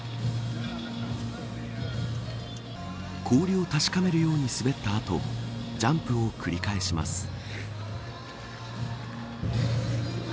氷を確かめるように滑った後ジャンプを繰り返します。